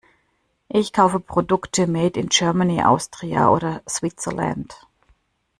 Ich kaufe Produkte made in Germany, Austria oder Switzerland.